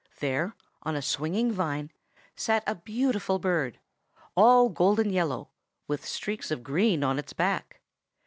There, on a swinging vine, sat a beautiful bird, all golden yellow, with streaks of green on its back.